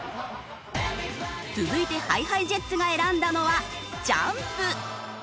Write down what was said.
続いてＨｉＨｉＪｅｔｓが選んだのはジャンプ。